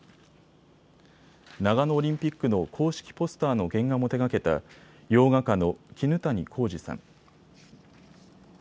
長野オリンピックの公式ポスターの原画も手がけた洋画家の絹谷幸二さん。